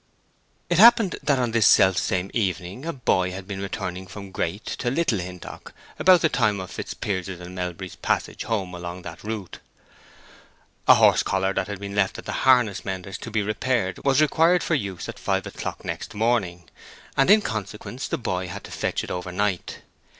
It happened that on this self same evening a boy had been returning from Great to Little Hintock about the time of Fitzpiers's and Melbury's passage home along that route. A horse collar that had been left at the harness mender's to be repaired was required for use at five o'clock next morning, and in consequence the boy had to fetch it overnight.